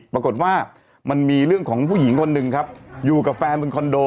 ปรากฏว่ามันมีเรื่องของผู้หญิงคนหนึ่งครับอยู่กับแฟนบนคอนโด